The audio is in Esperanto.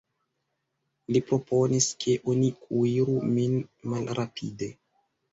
Li proponis, ke oni kuiru min malrapide.